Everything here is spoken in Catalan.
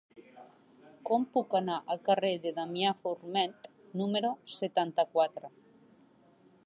Com puc anar al carrer de Damià Forment número setanta-quatre?